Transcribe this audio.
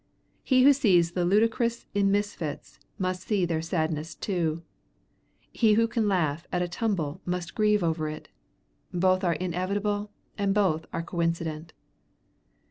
He who sees the ludicrous in misfits must see their sadness too; he who can laugh at a tumble must grieve over it: both are inevitable and both are coincident.